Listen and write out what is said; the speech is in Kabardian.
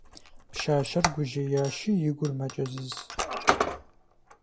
Пщащэр гужьеящи, и гур мэкӀэзыз.